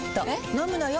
飲むのよ。